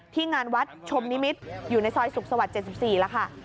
งานวัดชมนิมิตรอยู่ในซอยสุขสวรรค์๗๔แล้วค่ะ